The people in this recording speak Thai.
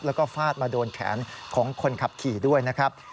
แล้วก็ฟาดมาโดนแขนของคนขับขี่ด้วยนะครับ